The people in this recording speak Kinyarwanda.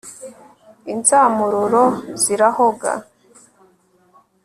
Inzamururo zirahoga